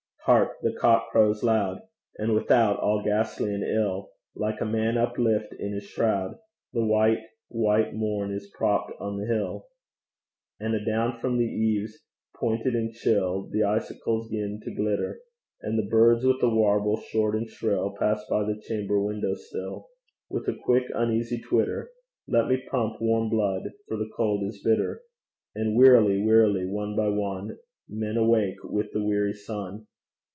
Hark the cock crows loud! And without, all ghastly and ill, Like a man uplift in his shroud, The white white morn is propped on the hill; And adown from the eaves, pointed and chill, The icicles 'gin to glitter; And the birds with a warble short and shrill, Pass by the chamber window still With a quick uneasy twitter. Let me pump warm blood, for the cold is bitter; And wearily, wearily, one by one, Men awake with the weary sun.